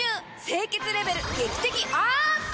清潔レベル劇的アップ！